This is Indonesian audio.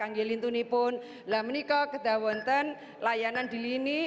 dan kembali lagi meniko kedai layanan di sini